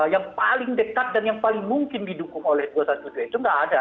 yang paling dekat dan yang paling mungkin didukung oleh dua ratus dua belas itu nggak ada